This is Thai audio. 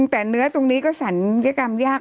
แต่เนื้อตรงนี้ก็สัญญากรรมยากมาก